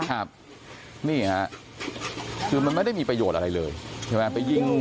ครับนี่ฮะคือมันไม่ได้มีประโยชน์อะไรเลยใช่ไหมไปยิง